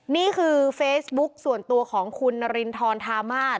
นี่คือเฟซบุ๊กส่วนตัวของคุณนารินทรธามาศ